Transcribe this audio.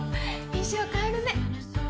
印象変わるね！